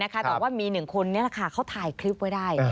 แต่ว่ามีหนึ่งคนนี้เขาถ่ายคลิปไว้ได้